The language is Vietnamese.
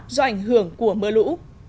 do ảnh hưởng của mưa lũ